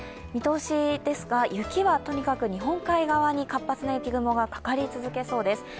見通しですが、雪はとにかく日本海側に活発な雪雲がかかり続けそうです。